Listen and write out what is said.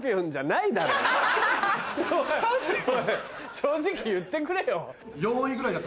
正直言ってくれよ。